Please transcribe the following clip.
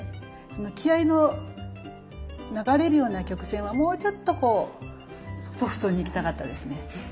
その気合いの流れるような曲線はもうちょっとこうソフトにいきたかったですね。